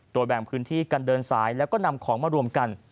โดยแบ่งพื้นที่กันเดินสายแล้วก็นำของมารวมกัน